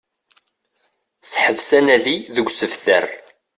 Seḥbes anadi deg usebter